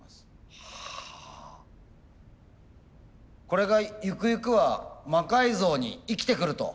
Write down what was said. これがゆくゆくは魔改造に生きてくると？